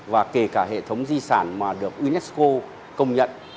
và kể cả hệ thống di sản mà được unesco công nhận